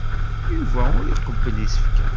Yuba ur iqebbel isefka.